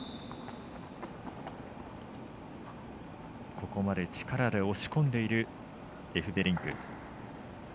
ここまで力で押し込んでいるエフベリンク。